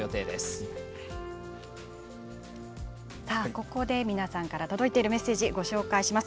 ここで皆さんから届いているメッセージご紹介します。